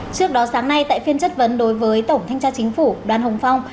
trước đó sáng nay tại phiên chất vấn đối với tổng thanh tra chính phủ đoàn hồng phong